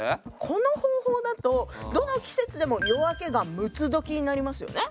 この方法だとどの季節でも夜明けが六つどきになりますよね。